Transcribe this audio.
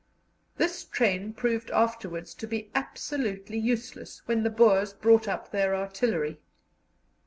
This train proved afterwards to be absolutely useless when the Boers brought up their artillery.